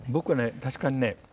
確かにね